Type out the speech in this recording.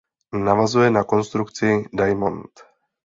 Navazuje na konstrukci Diamond.